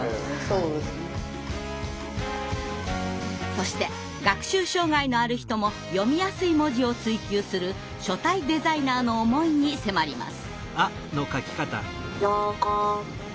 そして学習障害のある人も読みやすい文字を追求する書体デザイナーの思いに迫ります。